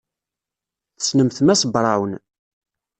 Tessnemt Mass Brown?